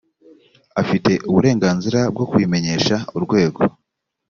afite uburenganzira bwo kubimenyesha urwego